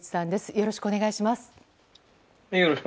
よろしくお願いします。